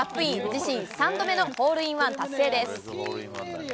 自身３度目のホールインワン達成です。